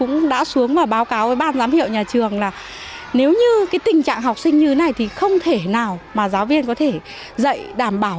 nhưng ba em học sinh lớp năm này lại rất khó khăn khi phát âm